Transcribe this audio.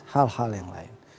hal hal yang lain